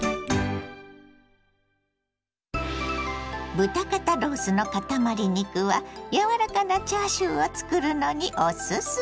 豚肩ロースのかたまり肉は柔らかなチャーシューを作るのにおすすめ。